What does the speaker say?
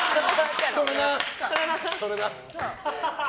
それな！